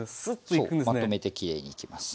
そうまとめてきれいにいきます。